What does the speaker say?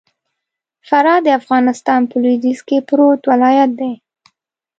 فراه د افغانستان په لوېديځ کي پروت ولايت دئ.